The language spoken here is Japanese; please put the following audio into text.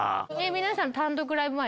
皆さん単独ライブ前